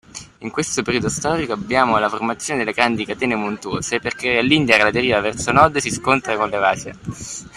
In questo periodo storico abbiamo la formazione delle grandi catene montuose perché l'India alla deriva verso nord si scontra con l'Eurasia.